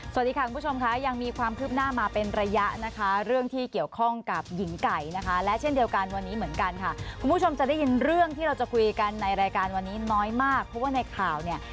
สวัสดีค่ะคุณผู้ชมค่ะยังมีความคืบหน้ามาเป็นระยะนะคะเรื่องที่เกี่ยวข้องกับหญิงไก่นะคะและเช่นเดียวกันวันนี้เหมือนกันค่ะคุณผู้ชมจะได้ยินเรื่องที่เราจะคุยกันในรายการวันนี้น้อยมากเพราะว่าในข่าวเนี่ย